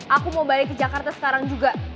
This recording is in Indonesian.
aku mau balik ke jakarta sekarang juga